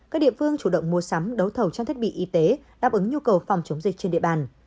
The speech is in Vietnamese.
các địa phương chủ động mua sắm đấu thầu trang thiết bị y tế đáp ứng nhu cầu phòng chống dịch trên địa bàn